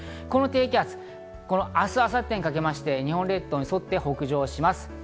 この低気圧、明日明後日にかけまして日本列島に沿って北上します。